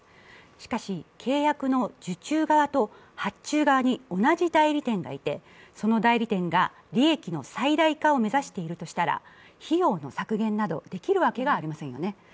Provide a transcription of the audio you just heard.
しかし契約の受注側と発注側に同じ代理店がいて、その代理店が利益の最大化を目指しているとしたら費用の削減などできるわけがありませんよね。